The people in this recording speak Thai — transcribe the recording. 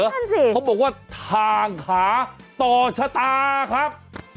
นั่นสิเขาบอกว่าทางขาต่อชะตาครับ